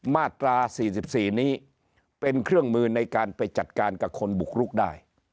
มาตรา๔๔นี้เป็นเครื่องมือในการไปจัดการกับคนบุกรุกได้